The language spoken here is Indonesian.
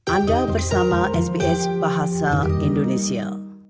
anda bersama sbs bahasa indonesia